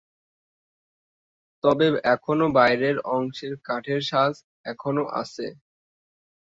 তবে এখনো বাইরের অংশের কাঠের সাজ এখনো আছে।